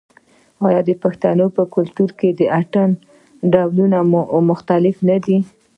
آیا د پښتنو په کلتور کې د اتن ډولونه مختلف نه دي؟